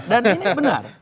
dan ini benar